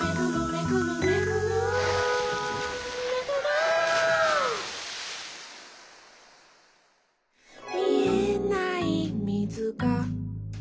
「めぐる」「みえないみずが」